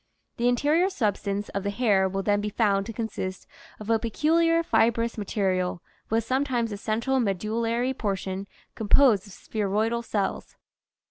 The interior substance of the hair will then be found to consist of a peculiar fibrous ma terial with sometimes a central medullary portion composed of spheroidal cells.